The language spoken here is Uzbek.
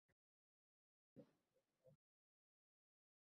Yosh ijodkorlarda men ko‘radigan kamchiliklar bor.